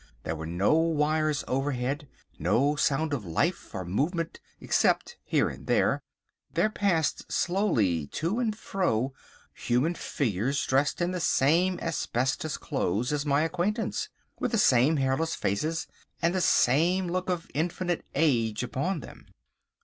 There were no wires overhead—no sound of life or movement except, here and there, there passed slowly to and fro human figures dressed in the same asbestos clothes as my acquaintance, with the same hairless faces, and the same look of infinite age upon them.